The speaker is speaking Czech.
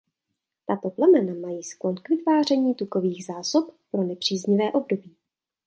Tato plemena mají sklon k vytváření tukových zásob pro nepříznivé období.